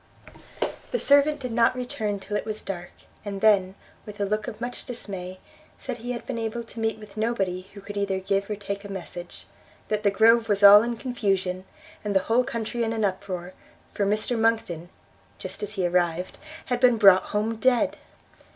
The servant did not return till it was dark; and then, with a look of much dismay, said he had been able to meet with nobody who could either give or take a message; that the Grove was all in confusion, and the whole country in an uproar, for Mr Monckton, just as he arrived, had been brought home dead!